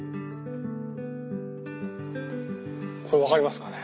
これ分かりますかね？